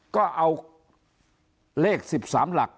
ก็เอาเลข๑๓หลัก